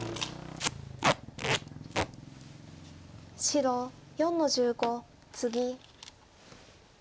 白４の十五ツギ。